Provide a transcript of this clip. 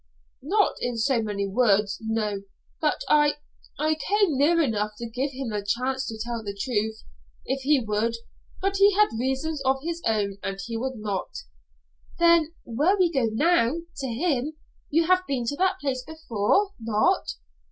"Not in so many words, no. But I I came near enough to give him the chance to tell the truth, if he would, but he had reasons of his own, and he would not." "Then where we go now to him you have been to that place before? Not?"